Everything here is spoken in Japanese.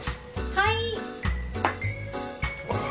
はい。